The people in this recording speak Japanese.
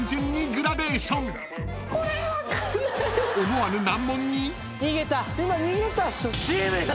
［思わぬ難問に］